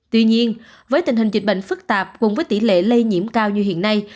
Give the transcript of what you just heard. tuy nhiên với tình hình dịch bệnh phức tạp cùng với tỷ lệ lây nhiễm cao như hiện nay